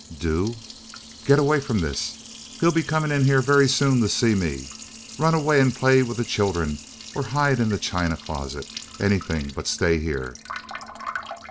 "Do? Get away from this, he'll be coming in here very soon to see me. Run away and play with the children or hide in the china closet anything but stay here."